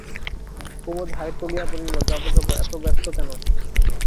কুমুদ হাই তুলিয়া বলিল, যাব যাব, এত ব্যস্ত কেন?